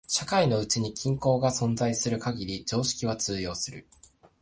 社会のうちに均衡が存在する限り常識は通用する。